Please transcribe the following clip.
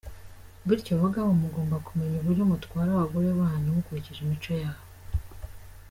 Bityo Bagabo mugomba kumenya buryo mutwara abagore banyu mukurikije imico yabo.